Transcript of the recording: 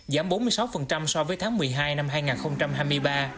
giảm bốn mươi sáu so với tháng một mươi hai năm hai nghìn hai mươi ba